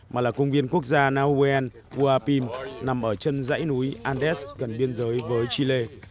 mà là công viên quốc gia nahuen guapim nằm ở chân dãy núi andes gần biên giới với chile